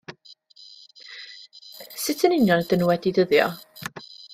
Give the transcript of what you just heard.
Sut yn union ydyn nhw wedi dyddio?